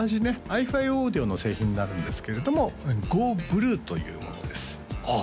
ｉＦｉａｕｄｉｏの製品になるんですけれどもＧＯｂｌｕというものですあっ！